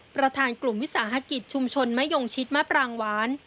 ประธานกลุ่มวิสาหกิจชุมชนมะยงชิดมะปรางหวาน